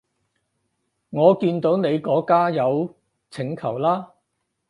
我見到你個加友請求啦